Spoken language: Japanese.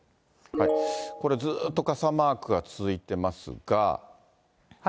これ、ずっと傘マークが続いてますが。